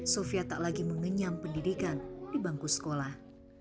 sofia tak lagi mengenyam pendidikan di bangku sekolah